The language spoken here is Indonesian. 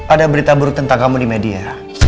ada berita buruk tentang kamu di media